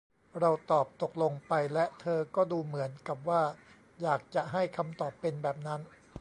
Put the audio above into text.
เราตอบตกลงไป และเธอก็ดูเหมือนกับว่าอยากจะให้คำตอบเป็นแบบนั้น